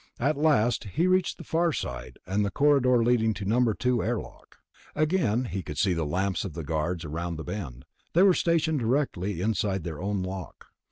At last he reached the far side, and the corridor leading to No. 2 airlock. Again he could see the lamps of the guards around the bend; they were stationed directly inside their own lock.